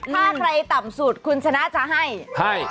ถ้าใครต่ำสุดคุณชนะจะให้ให้